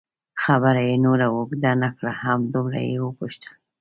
خبره یې نوره اوږده نه کړه، همدومره یې وپوښتل.